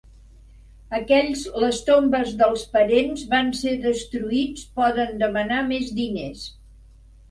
Aquells les tombes dels parents van ser destruïts poden demanar més diners.